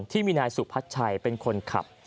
ที่มีนายสุพัชชัยเป็นคนขับ